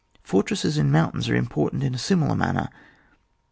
Fortresses in mountains are important in a similar manner.